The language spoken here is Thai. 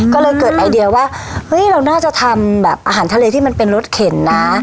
ก็เลยเกิดไอเดียว่าเฮ้ยเราน่าจะทำแบบอาหารทะเลที่มันเป็นรสเข็นนะ